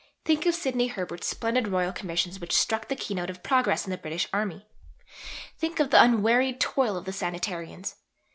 Think of Sidney Herbert's splendid Royal Commissions which struck the keynote of progress in the British Army! Think of the unwearied toil of the Sanitarians!